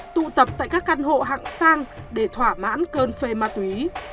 tụ tập tại các căn hộ hạng sang để thỏa mãn cơn phê ma túy